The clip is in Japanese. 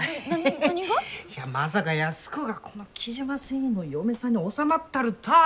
いやまさか安子がこの雉真繊維の嫁さんにおさまっとるたあ